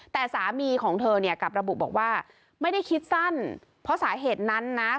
แต่สามีของเธอเนี่ยกลับระบุบอกว่าไม่ได้คิดสั้นเพราะสาเหตุนั้นนะ